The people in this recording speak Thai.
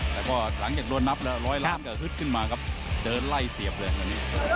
แล้วก็หลังจากรวดนับแล้วร้อยล้านก็ฮึดขึ้นมาครับเดินไล่เสียบเลยครับ